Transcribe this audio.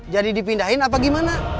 jadi dipindahin apa gimana